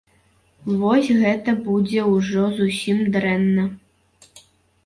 Вось гэта будзе ўжо зусім дрэнна.